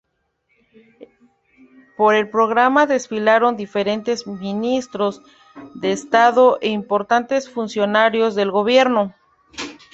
Por el programa desfilaron diferentes ministros de estado e importantes funcionarios del gobierno.